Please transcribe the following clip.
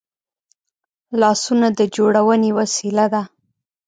لاسونه د جوړونې وسیله ده